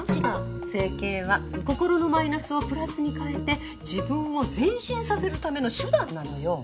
整形は心のマイナスをプラスに変えて自分を前進させるための手段なのよ。